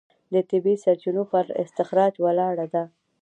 د طبیعي سرچینو پر استخراج ولاړه ده.